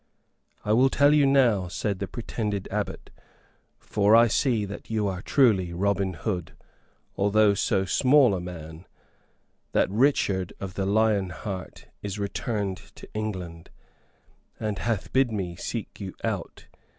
"I will tell you now," said the pretended abbot, "for I see that you are truly Robin Hood, although so small a man, that Richard of the Lion Heart is returned to England, and hath bid me seek you out.